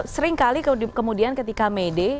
sering kali kemudian ketika may day